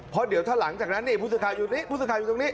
เพราะเดี๋ยวถ้าหลังจากนั้นนี่ผู้สื่อข่าวอยู่ตรงนี้ผู้สื่อข่าวอยู่ตรงนี้